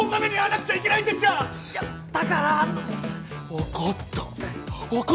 わかった！